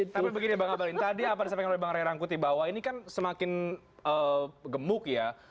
tapi begini bang abalin tadi apa disampaikan oleh bang ray rangkuti bahwa ini kan semakin gemuk ya